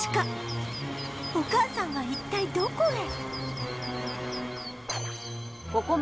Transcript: お母さんは一体どこへ？